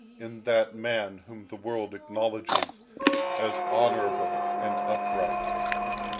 in that man whom the world acknowledges as honourable and upright.